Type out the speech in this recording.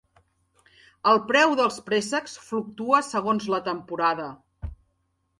El preu dels préssecs fluctua segons la temporada.